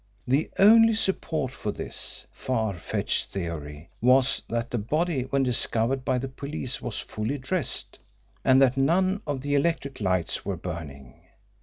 The only support for this, far fetched theory was that the body when discovered by the police was fully dressed, and that none of the electric lights were burning.